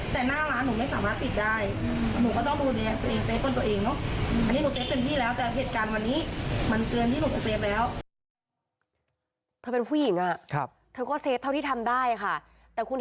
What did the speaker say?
แต่หน้าร้านหนูไม่สามารถปิดได้หนูก็ต้องดูแลตัวเองในต้นตัวเองเนอะ